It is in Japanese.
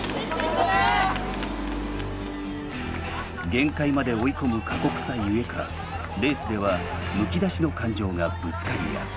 限界まで追い込む過酷さゆえかレースではむき出しの感情がぶつかり合う。